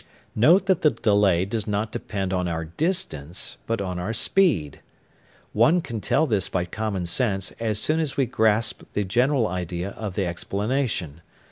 Note that the delay does not depend on our distance, but on our speed. One can tell this by common sense as soon as we grasp the general idea of the explanation.